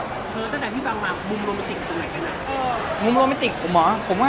ตั้งแต่พี่ฟังมามุมโรแมติกตัวไหนกันน่ะ